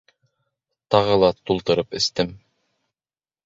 Тағы ла тултырып эстем.